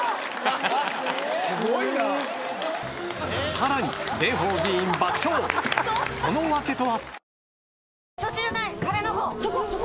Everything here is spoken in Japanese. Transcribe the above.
さらに蓮舫議員爆笑その訳とは？